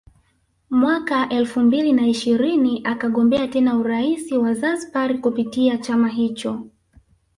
Mwaka elfu mbili na ishirini akagombea tena urais wa Zanzibari kupitia chama hicho